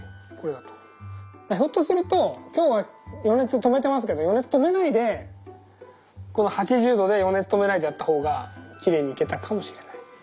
だからひょっとすると今日は余熱止めてますけど余熱止めないでこの８０℃で余熱止めないでやった方がきれいにいけたかもしれない。